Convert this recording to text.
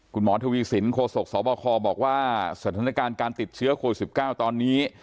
คุณหมอทวีสินโคศกสบคบอกว่าสถานการณ์การติดเชื้อโควิด๑๙ตอนนี้